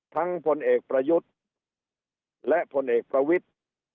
พลเอกประยุทธ์และผลเอกประวิทธิ์